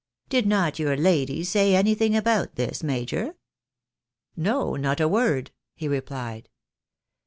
Did not your lady say anything about this, major?" " No, not a word," he replied.